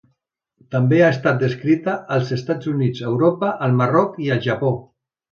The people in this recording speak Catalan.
També ha estat descrita als Estats Units, a Europa, al Marroc i al Japó.